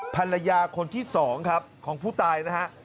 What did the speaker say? ภรรยาคนที่สองครับของผู้ตายนะครับ